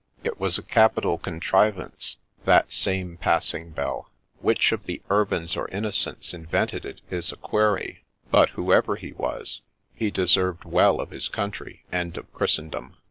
It was a capital contrivance that same passing bell, — which of the Urbans or Innocents invented it is a query ; but, whoever he was, he deserved well of his country and of Christendom.